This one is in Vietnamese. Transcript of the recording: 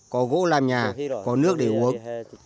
có gỗ làm nhà có nước để uống